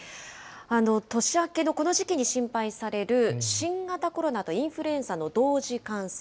年明けのこの時期に心配される新型コロナとインフルエンザの同時感染。